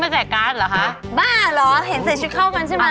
คุยฟ้านิจะเริ่มปีใหม่